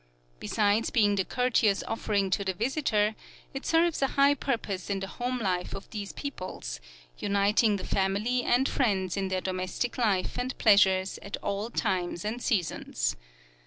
Besides being the courteous offering to the visitor, it serves a high purpose in the home life of these peoples; uniting the family and friends in their domestic life and pleasures at all times and seasons.